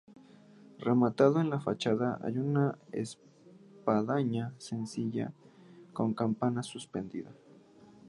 Rematando la fachada hay una espadaña sencilla con campana suspendida.